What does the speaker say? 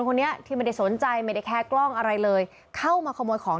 คนนี้ที่ไม่ได้สนใจไม่ได้แคร์กล้องอะไรเลยเข้ามาขโมยของ